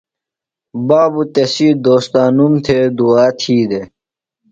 بابوۡ تسی دوستانوم تھےۡ دُعا تھی دےۡ۔